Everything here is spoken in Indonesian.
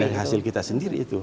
iya dari hasil kita sendiri itu